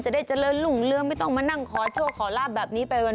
จะได้เจริญหลุ่งเรืองไม่ต้องมานั่งคอร์ดชั่วขอราบแบบนี้ไปวัน